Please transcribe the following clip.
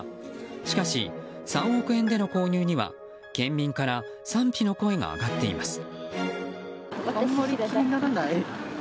しかし、３億円での購入には県民から賛否の声が上がっています。